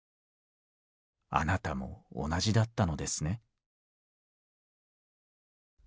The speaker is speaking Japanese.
あなたも同じだったのですね」。